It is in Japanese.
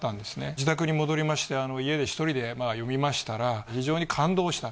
自宅に戻りまして家で１人で読みましたら非常に感動した。